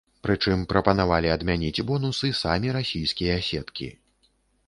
Прычым прапанавалі адмяніць бонусы самі расійскія сеткі.